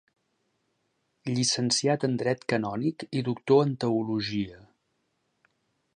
Llicenciat en Dret Canònic i doctor en Teologia.